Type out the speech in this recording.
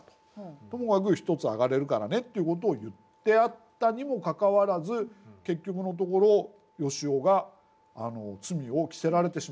ともかく一つ上がれるからねっていう事を言ってあったにもかかわらず結局のところ善男が罪を着せられてしまった。